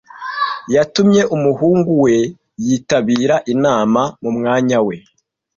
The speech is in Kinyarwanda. Yatumye umuhungu we yitabira inama mu mwanya we.